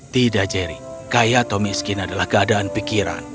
tidak jerry kaya atau miskin adalah keadaan pikiran